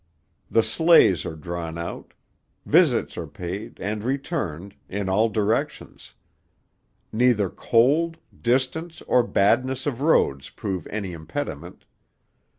The sleighs are drawn out. Visits are paid, and returned, in all directions. Neither cold, distance, or badness of roads prove any impediment.